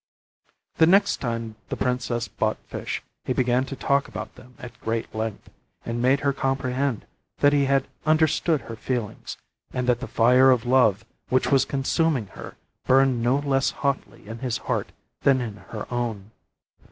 The next time the princess bought fish he began to talk about them at great length, and made her comprehend that he had understood her feelings, and that the fire of love which was consuming her burned no less hotly in his heart than in her own.